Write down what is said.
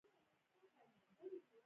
په قضايي پرېکړو کې مداخله بنده کړه.